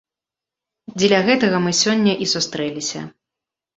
Дзеля гэтага мы сёння і сустрэліся.